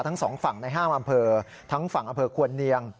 ทั้งสองฝั่งใน๕อำเภอทั้งฝั่งอำเภอควรเนียง